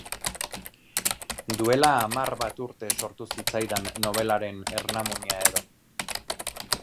Duela hamar bat urte sortu zitzaidan nobelaren ernamuina-edo.